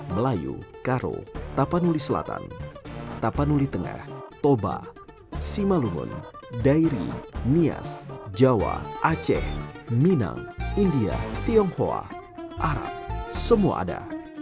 melayu karo tapanuli selatan tapanuli tengah toba simalungun dairi nias jawa aceh minang india tionghoa arab semua ada